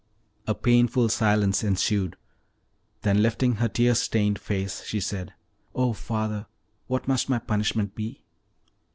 A painful silence ensued, then, lifting her tear stained face, she said: "Oh father, what must my punishment be?"